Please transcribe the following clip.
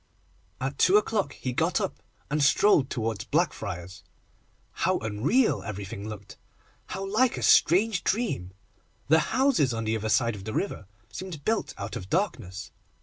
At two o'clock he got up, and strolled towards Blackfriars. How unreal everything looked! How like a strange dream! The houses on the other side of the river seemed built out of darkness.